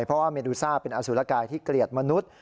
เพราะว่าเมดูซ่าเป็นอสุรกายที่เกลียดมนุษย์